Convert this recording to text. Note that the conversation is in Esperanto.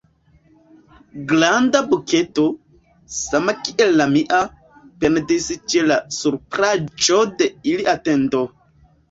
Granda bukedo, sama kiel la mia, pendis ĉe la supraĵo de ilia tendo.